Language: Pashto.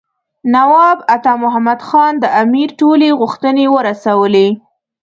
نواب عطا محمد خان د امیر ټولې غوښتنې ورسولې.